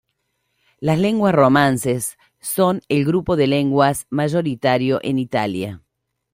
Las lenguas romances son el grupo de lenguas mayoritario en Italia.